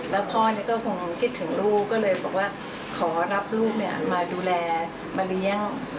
แล้วพ่อก็คงคิดถึงลูกก็เลยบอกว่าขอรับลูกมาดูแลมาเลี้ยง